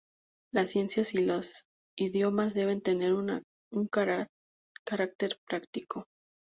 Las ciencias y los idiomas deben tener un carácter práctico.